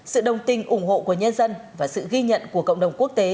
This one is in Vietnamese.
sự đồng tình ủng hộ của nhân dân và sự ghi nhận của cộng đồng quốc tế